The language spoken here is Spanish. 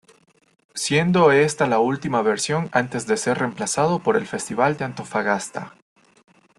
Siendo esta la última versión antes de ser reemplazado por el Festival de Antofagasta.